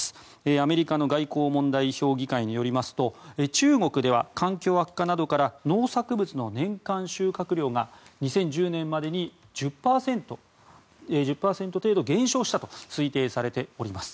アメリカの外交問題評議会によりますと中国では環境悪化などから農作物の年間収穫量が２０１０年までに１０％程度減少したと推定されております。